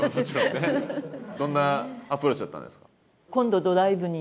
どんなアプローチだったんですか？